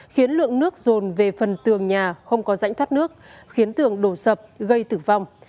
khiến lượng nước rồn về phần tường nhà không có rãnh thoát nước khiến tường đổ sập gây tử vong